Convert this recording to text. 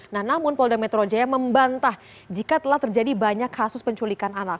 nah namun polda metro jaya membantah jika telah terjadi banyak kasus penculikan anak